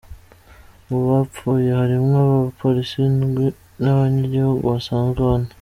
Mu bapfuye harimwo aba polisi indwi n'abanyagihugu basanzwe bane.